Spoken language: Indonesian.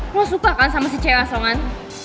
gue suka kan sama si cewek asongan